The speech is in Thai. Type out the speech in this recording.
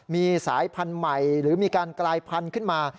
มีสายพันธุ์ใหม่หรือมีการกลายพันธุ์ขึ้นมา